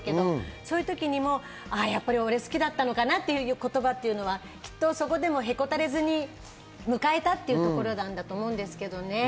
そういう時に、やっぱり俺好きだったのかなっていう言葉っていうのは、きっと、そこでもへこたれずに迎えたっていうところなんだと思うんですけどね。